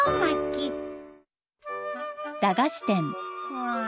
うん。